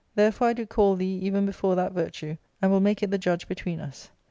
Therefore I do call thee even before that virtue, and will make it the judge between us.